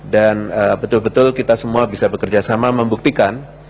dan betul betul kita semua bisa bekerjasama membuktikan